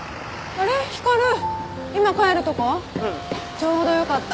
ちょうどよかった。